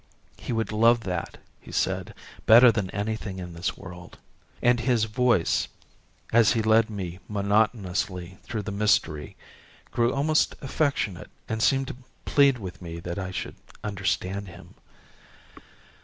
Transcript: He would love that, he said, better than anything in this world; and his voice, as he led me monotonously through the mystery, grew almost affectionate and seemed to plead with me that I should understand him.